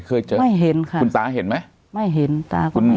เคยเจอไม่เห็นค่ะคุณตาเห็นไหมไม่เห็นตาคุณแม่